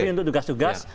tapi untuk tugas tugas